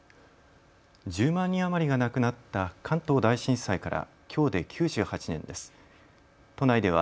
１０万人余りが亡くなった関東大震災からきょうで９８年です。